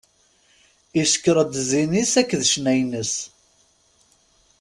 Icekkeṛ-d zzin-is akked ccna-ines.